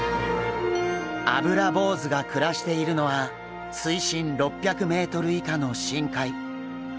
アブラボウズが暮らしているのは水深６００ｍ以下の深海。